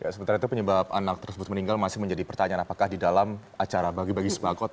sementara itu penyebab anak tersebut meninggal masih menjadi pertanyaan apakah di dalam acara bagi bagi sembakot